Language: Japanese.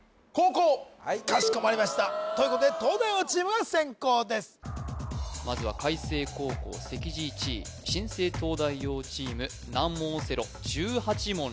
かしこまりましたということで東大王チームが先攻ですまずは開成高校席次１位新生東大王チーム難問